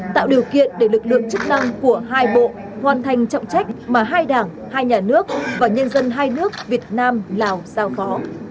tạo điều kiện để lực lượng chức năng của hai bộ hoàn thành trọng trách mà hai đảng hai nhà nước và nhân dân hai nước việt nam lào giao phó